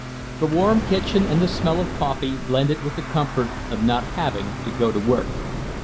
The warm kitchen and the smell of coffee blended with the comfort of not having to go to work.